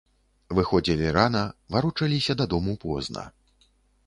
Выходзілі рана, варочаліся дадому позна.